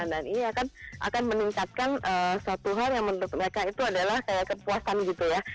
dan ini akan meningkatkan suatu hal yang menurut mereka itu adalah kayak kepuasan gitu ya